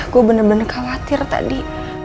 gue bener bener khawatir tadi